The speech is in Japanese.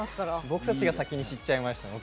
僕たちが先に知っちゃいましたね。